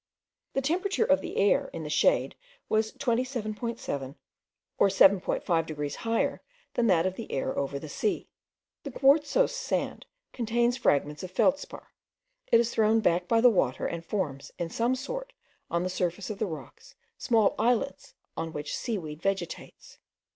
The temperature of the air in the shade was 27.7 or 7.5 degrees higher than that of the air over the sea. The quartzose sand contains fragments of feldspar. It is thrown back by the water, and forms, in some sort, on the surface of the rocks, small islets on which seaweed vegetates.